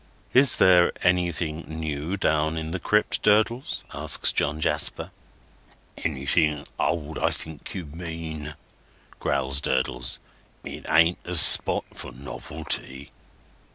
"Is there anything new down in the crypt, Durdles?" asks John Jasper. "Anything old, I think you mean," growls Durdles. "It ain't a spot for novelty."